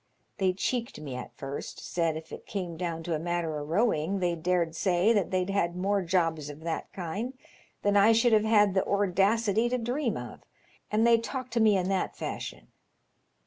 They cheeked me at first; said if it came to a matter o' rowing they dared say that they'd had more jobs of that kind than I should have the ordacity to dream of, and they talked to me in that fashion.